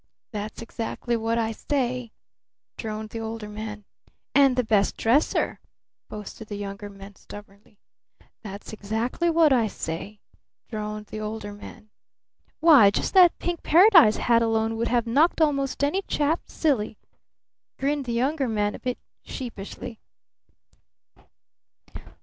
"That's exactly what I say," droned the Older Man. "And the best dresser!" boasted the Younger Man stubbornly. "That's exactly what I say," droned the Older Man. "Why, just that pink paradise hat alone would have knocked almost any chap silly," grinned the Younger Man a bit sheepishly.